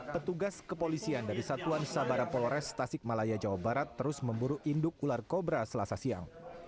petugas kepolisian dari satuan sabara polres tasik malaya jawa barat terus memburu induk ular kobra selasa siang